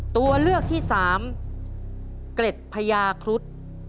ตัวเลือกที่สามเกร็ดพญาครุฑ